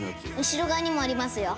「後ろ側にもありますよ」